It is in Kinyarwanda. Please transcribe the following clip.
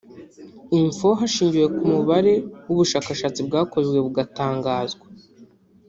Info hashingiwe ku mubare w’ubushakashatsi bwakozwe bugatangazwa